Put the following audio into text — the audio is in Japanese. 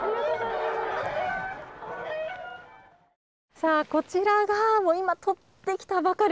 さあこちらが今とってきたばかり